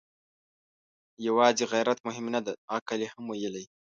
يواځې غيرت مهمه نه ده، عقل يې هم ويلی.